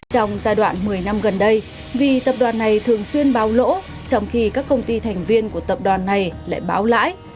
trong giai đoạn một mươi năm gần đây vì tập đoàn này thường xuyên báo lỗ trong khi các công ty thành viên của tập đoàn này lại báo lãi